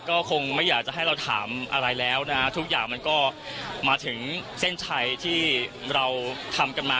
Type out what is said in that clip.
ก็คงไม่อยากจะให้เราถามอะไรแล้วนะฮะทุกอย่างมันก็มาถึงเส้นชัยที่เราทำกันมา